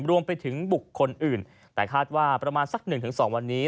รวมไปถึงบุคคลอื่นแต่คาดว่าประมาณสักหนึ่งถึงสองวันนี้